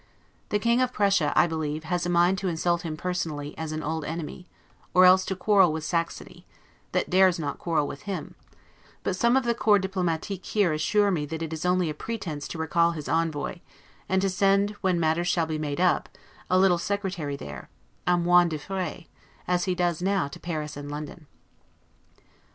The King of Prussia, I believe, has a mind to insult him personally, as an old enemy, or else to quarrel with Saxony, that dares not quarrel with him; but some of the Corps Diplomatique here assure me it is only a pretense to recall his envoy, and to send, when matters shall be made up, a little secretary there, 'a moins de fraix', as he does now to Paris and London.